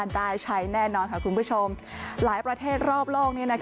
ได้ใช้แน่นอนค่ะคุณผู้ชมหลายประเทศรอบโลกนี้